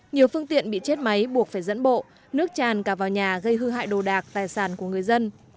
nhiều phương tiện bị chết máy buộc phải dẫn bộ nước tràn cả vào nhà gây hư hại đồ đạc tài sản của người dân